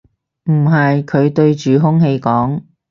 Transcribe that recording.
唔係，佢對住空氣講